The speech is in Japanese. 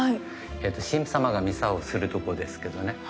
神父様がミサをするところですけどね。